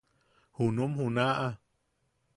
–Junum junaʼa.